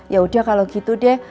yaudah kalau gitu deh